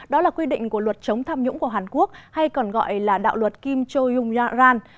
đó là quy định của luật chống tham nhũng của hàn quốc hay còn gọi là đạo luật kim cho yung yaran